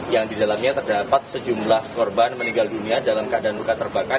yang didalamnya terdapat sejumlah korban meninggal dunia dalam keadaan buka terbakan